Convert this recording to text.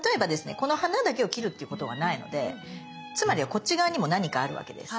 この花だけを切るっていうことはないのでつまりはこっち側にも何かあるわけです。